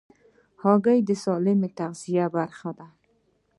هګۍ د سالمې تغذیې برخه ده.